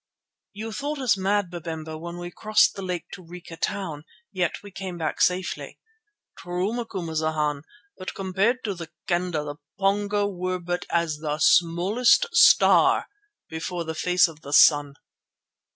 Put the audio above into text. "You thought us mad, Babemba, when we crossed the lake to Rica Town, yet we came back safely." "True, Macumazana, but compared to the Kendah the Pongo were but as the smallest star before the face of the sun."